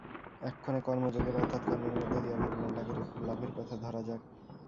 এক্ষণে কর্মযোগের অর্থাৎ কর্মের মধ্য দিয়া ভগবান্-লাভের কথা ধরা যাক।